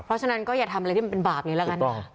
เพราะฉะนั้นก็อย่าทำอะไรที่มันเป็นบาปนี้แล้วกัน